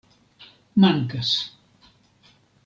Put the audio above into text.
Mankas.